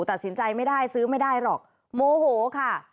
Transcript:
ตัดสินใจไม่ได้ซื้อไม่ได้หรอกโมโหค่ะ